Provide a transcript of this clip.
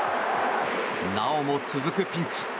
なおも続くピンチ。